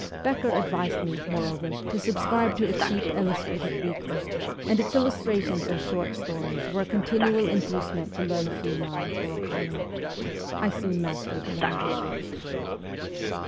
Becker advised me, moreover, to subscribe to a cheap illustrated weekly, and its illustrations and short stories were a continual inducement to read a few lines or a column. I soon mastered the language.